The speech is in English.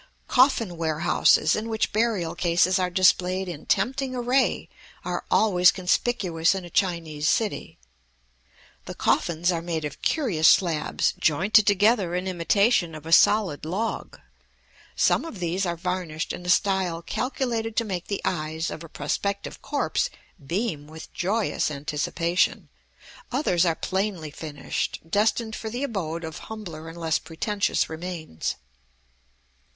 Coffin warehouses in which burial cases are displayed in tempting array are always conspicuous in a Chinese city. The coffins are made of curious slabs, jointed together in imitation of a solid log; some of these are varnished in a style calculated to make the eyes of a prospective corpse beam with joyous anticipation; others are plainly finished, destined for the abode of humbler and less pretentious remains.